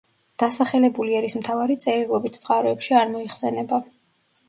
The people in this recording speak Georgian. დასახელებული ერისმთავარი წერილობით წყაროებში არ მოიხსენება.